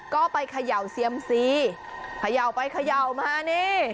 ก็ไปเขย่าเซียมซีเขย่าไปเขย่ามานี่